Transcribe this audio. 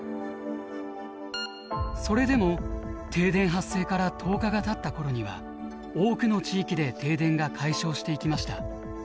それでも停電発生から１０日がたった頃には多くの地域で停電が解消していきました。